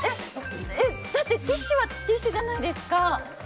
だってティッシュはティッシュじゃないですか。